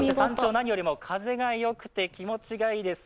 何よりも風がよくて気持ちがいいです。